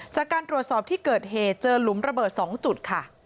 จากการตรวจสอบที่เกิดเหตุเจอหลุมระเบิด๒จุดค่ะ